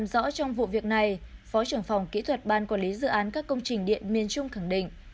rõ trong vụ việc này phó trưởng phòng kỹ thuật ban quản lý dự án các công trình điện miền trung khẳng định